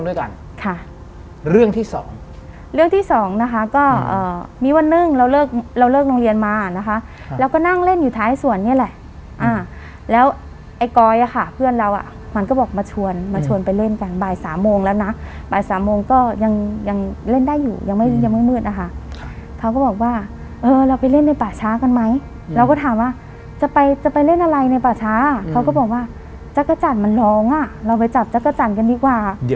แล้วที่สองนะคะก็มีวันหนึ่งเราเลิกโรงเรียนมานะคะเราก็นั่งเล่นอยู่ท้ายสวนนี่แหละแล้วไอ้ก้อยอะค่ะเพื่อนเราอะมันก็บอกมาชวนไปเล่นกันบ่ายสามโมงแล้วนะบ่ายสามโมงก็ยังเล่นได้อยู่ยังไม่มืดนะคะเขาก็บอกว่าเออเราไปเล่นในป่าช้ากันไหมเราก็ถามว่าจะไปเล่นอะไรในป่าช้าเขาก็บอกว่าจักรจันมันร้องอะเราไปจับจักรจันกันดีกว